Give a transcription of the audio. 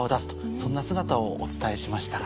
そんな姿をお伝えしました。